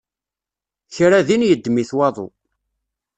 Kra din yeddem-it waḍu.